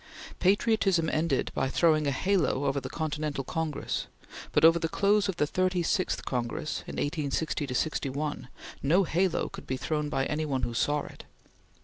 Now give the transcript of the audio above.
Patriotism ended by throwing a halo over the Continental Congress, but over the close of the Thirty sixth Congress in 1860 61, no halo could be thrown by any one who saw it.